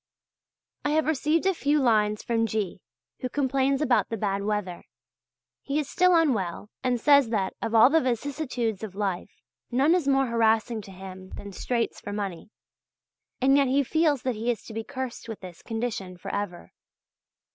I have received a few lines from G., who complains about the bad weather. He is still unwell, and says that of all the vicissitudes of life, none is more harassing to him than straits for money. And yet he feels that he is to be cursed with this condition for ever.